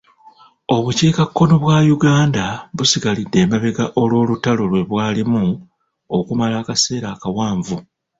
Obukiikakkono bwa Uganda busigalidde emabega olw'olutalo lwe bwalimu okumala akaseera akawanvu.